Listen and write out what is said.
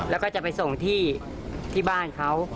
แล้วก็จะไปส่งที่บ้านเขา